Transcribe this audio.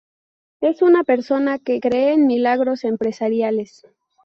Es una persona que cree en milagros empresariales.